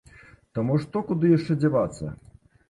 Таму што куды яшчэ дзявацца?